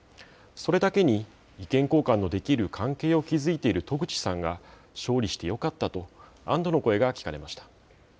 それだけに、意見交換のできる関係を築いている渡具知さんが勝利してよかったと、安どの声が聞かれました。